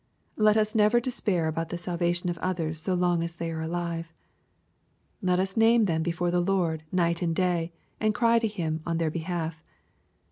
— Let us never despair about the salvation of others so long as they are alive. Let us name them be fore the Lord night and day, and cry to Him on their behalf.